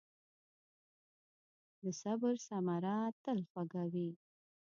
د صبر ثمره تل خوږه وي.